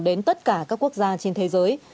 đến tất cả các quốc gia trên thế giới